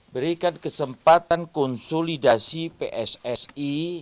berikan kesempatan konsolidasi pssi